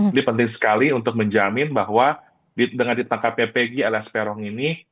ini penting sekali untuk menjamin bahwa dengan ditangkapnya pg ls peron ini